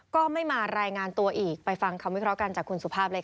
ก็ไม่มารายงานตัวอีกไปฟังคำวิเคราะห์กันจากคุณสุภาพเลยค่ะ